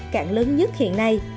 cảng lớn nhất hiện nay